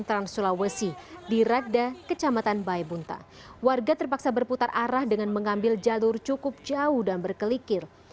di luhut utara sulawesi di ragda kecamatan bayabunta warga terpaksa berputar arah dengan mengambil jalur cukup jauh dan berkelikir